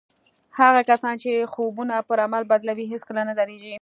هغه کسان چې خوبونه پر عمل بدلوي هېڅکله نه درېږي